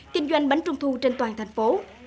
kinh doanh bánh trung thu trên toàn thành phố